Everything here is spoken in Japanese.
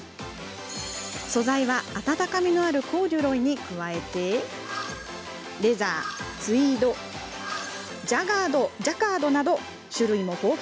素材は、温かみのあるコーデュロイに加えてレザー、ツイードジャカードなど種類も豊富。